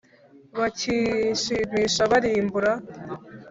bakishimisha birimbura